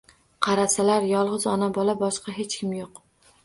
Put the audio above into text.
Qarasalar yolg‘iz ona-bola, boshqa hech kim yo‘q.